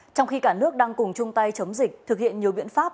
trong khi cả nước đang cùng chung tay chống dịch thực hiện nhiều biện pháp